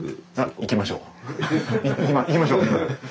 行きましょう。